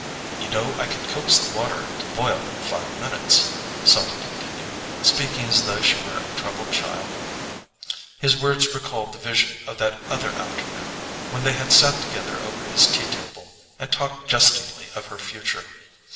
"You know I can coax the water to boil in five minutes," Selden continued, speaking as though she were a troubled child. His words recalled the vision of that other afternoon when they had sat together over his tea table and talked jestingly of her future.